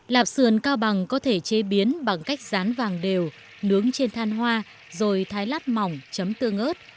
lạp sườn cao bằng có thể chế biến bằng cách dán vàng đều nướng trên than hoa rồi thái lát mỏng chấm tương ớt